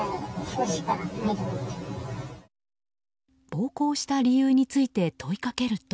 暴行した理由について問いかけると。